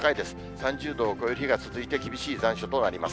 ３０度を超える日が続いて、厳しい残暑となります。